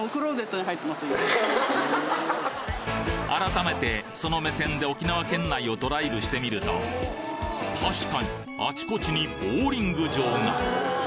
改めてその目線で沖縄県内をドライブしてみると確かにあちこちにボウリング場が！